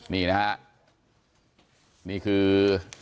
นี่นะฮะนี่คือ